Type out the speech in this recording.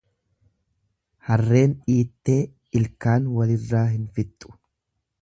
Harreen dhiittee ilkaan walirraa hin fixxu.